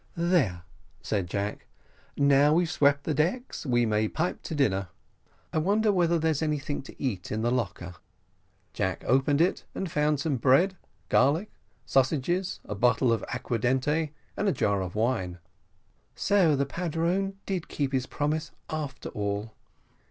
"There," said Jack, "now we've swept the decks, we may pipe to dinner. I wonder whether there is anything to eat in the locker?" Jack opened it, and found some bread, garlic, sausages, a bottle of aquadente, and a jar of wine. "So the padrone did keep his promise, after all."